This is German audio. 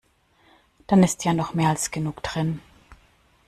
Dann ist ja noch mehr als genug drin.